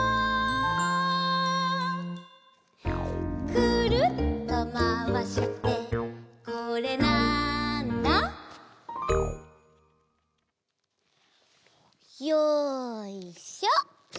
「くるっとまわしてこれ、なんだ？」よいしょ！